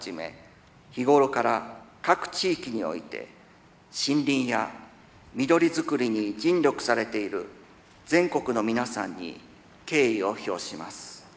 日頃から各地域において森林や緑づくりに尽力されている全国の皆さんに敬意を表します。